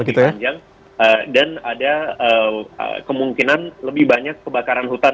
dan ada kemungkinan lebih banyak kebakaran hutan